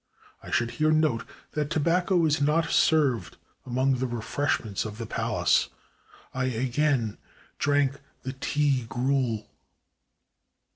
I should here note that tobacco is not served among the refreshments of the palace. I again drank the "tea gruel."